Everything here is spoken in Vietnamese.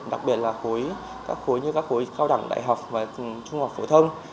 đặc biệt là khối các khối như các khối cao đẳng đại học và trung học phổ thông